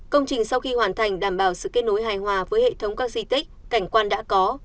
công trình sau khi hoàn thành đảm bảo sự kết nối hài hòa với hệ thống các di tích cảnh quan đã có